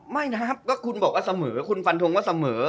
ไม่บอกว่าเสมอ